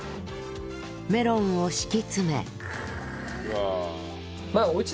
メロンを敷き詰め